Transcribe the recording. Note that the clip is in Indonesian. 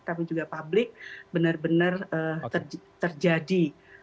kami juga publik benar benar terjadi